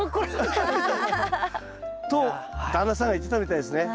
と旦那さんが言ってたみたいですね。